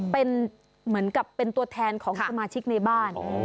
เป็นเหมือนกับเป็นตัวแทนของสมาชิกในบ้าน